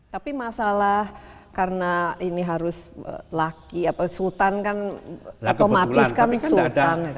tapi masalah karena ini harus laki atau sultan kan otomatis kan sultan